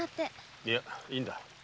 いやいいんだ。